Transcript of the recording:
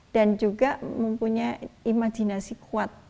dan juga mempunyai imajinasi kuat